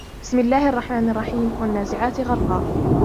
بِسْمِ اللَّهِ الرَّحْمَنِ الرَّحِيمِ وَالنَّازِعَاتِ غَرْقًا